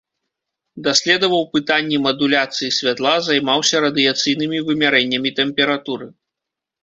Даследаваў пытанні мадуляцыі святла, займаўся радыяцыйнымі вымярэннямі тэмпературы.